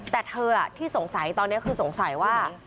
แต่เธอที่สงสัยตอนนี้คือสงสัยว่า